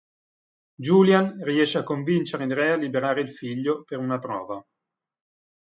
Julian riesce a convincere il Re a liberare il figlio, per una prova.